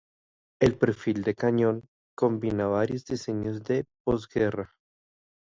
El perfil del cañón combina varios diseños de posguerra.